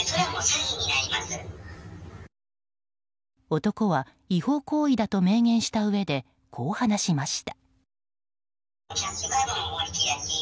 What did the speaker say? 男は違法行為だと明言したうえで、こう話しました。